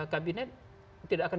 kabinet tidak akan